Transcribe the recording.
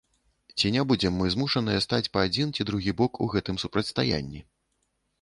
Ці не будзем мы змушаныя стаць па адзін ці другі бок у гэтым супрацьстаянні?